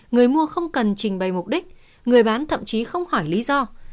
người mua không cần trình bày mục đích người bán thậm chí không hỏi lý do